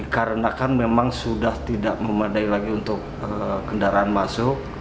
karena sudah tidak memadai lagi untuk kendaraan masuk